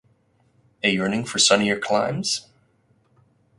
A yearning for sunnier climes?